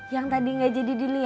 yang tadi gak jadi diliat